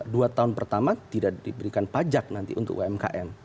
dua tahun pertama tidak diberikan pajak nanti untuk umkm